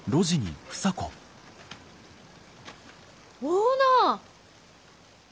オーナー！